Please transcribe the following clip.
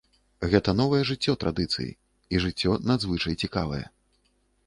Гэта новае жыццё традыцыі, і жыццё надзвычай цікавае.